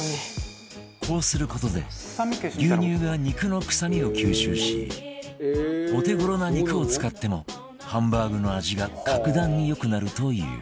こうする事で牛乳が肉の臭みを吸収しお手頃な肉を使ってもハンバーグの味が格段に良くなるという